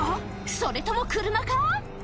それとも車か？